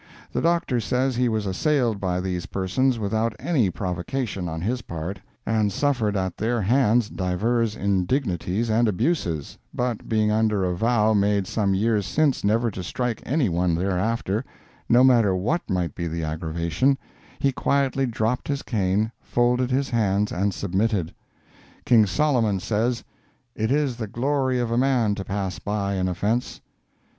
The Doctor says he was assailed by these persons without any provocation on his part, and suffered at their hands divers indignities and abuses, but being under a vow made some years since never to strike any one thereafter, no matter what might be the aggravation, he quietly dropped his cane, folded his hands, and submitted. King Solomon says, "It is the glory of a man to pass by an offence."